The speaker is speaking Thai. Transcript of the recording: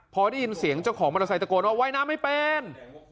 พอได้ยินเสียงเจ้าของมอเตอร์ไซค์ตะโกนว่าว่ายน้ำไม่เป็น